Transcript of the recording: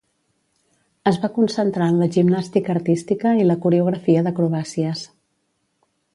Es va concentrar en la gimnàstica artística i la coreografia d'acrobàcies.